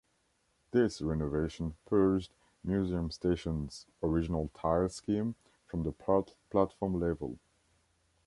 This renovation purged Museum Station's original tile scheme from the platform level.